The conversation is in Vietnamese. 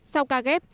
sau ca ghép